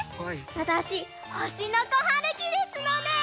わたしほしのこはるきですので。